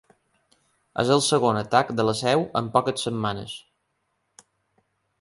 És el segon atac de la seu en poques setmanes.